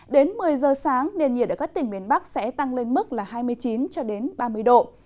đến một mươi giờ sáng nền nhiệt ở các tỉnh miền bắc sẽ tăng lên mức hai mươi chín ba mươi độ